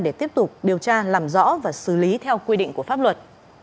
để tiếp tục điều tra làm rõ và xử lý theo quy định của pháp luật